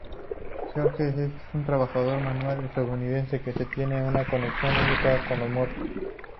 George es un trabajador manual estadounidense que tiene una conexión única con los muertos.